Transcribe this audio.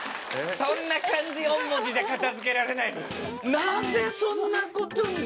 そんな漢字四文字じゃ片付けられないです。